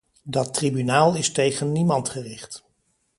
Dat tribunaal is tegen niemand gericht.